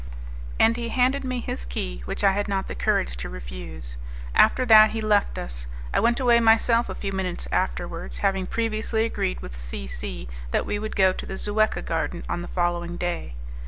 And he handed me his key, which I had not the courage to refuse. After that he left us. I went away myself a few minutes afterwards, having previously agreed with C C that we would go to the Zuecca Garden on the following day.